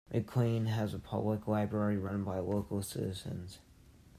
McLain has a public library run by local citizens.